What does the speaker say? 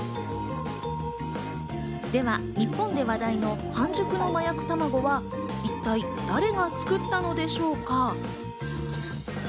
では、日本で話題の半熟の麻薬たまごは一体誰が作ったのでしょうか。